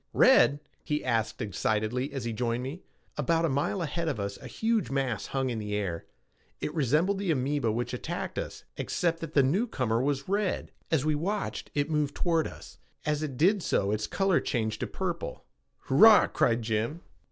"Red?" he asked excitedly as he joined me. About a mile ahead of us a huge mass hung in the air. It resembled the amoeba which had attacked us, except that the newcomer was red. As we watched, it moved toward us. As it did so its color changed to purple. "Hurrah!" cried Jim.